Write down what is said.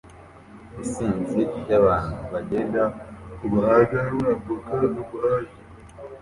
Isinzi ryabantu bagenda kumuhanda bambuka umuhanda